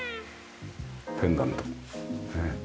ペンダントねえ。